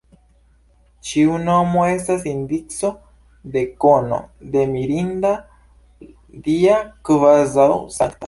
Ĉiu nomo estas indico de kono, de mirinda, dia, kvazaŭ sankta.